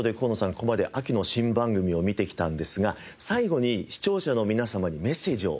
ここまで秋の新番組を見てきたんですが最後に視聴者の皆様にメッセージをお願い致します。